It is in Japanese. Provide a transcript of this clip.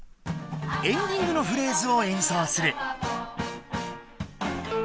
エンディングのフレーズを演奏する。